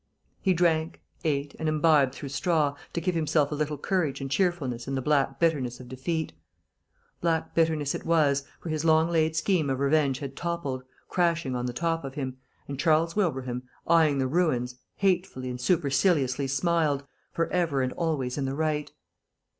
He drank, ate, and imbibed through straw, to give himself a little courage and cheerfulness in the black bitterness of defeat. Black bitterness it was, for his long laid scheme of revenge had toppled, crashing on the top of him, and Charles Wilbraham, eyeing the ruins, hatefully and superciliously smiled, for ever and always in the right....